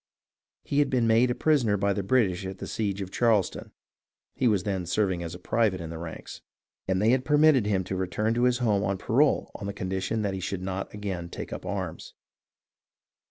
He had been made a prisoner by the British at the siege of Charleston (he was then serving as a private in the ranks), and they had permitted him to return to his home on parole on the condition that he should not again take up arms.